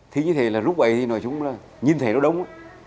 thì như thế là lúc ấy thì nói chung là nhìn thấy nó đúng